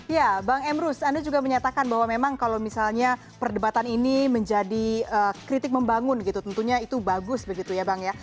ya bang emrus anda juga menyatakan bahwa memang kalau misalnya perdebatan ini menjadi kritik membangun gitu tentunya itu bagus begitu ya bang ya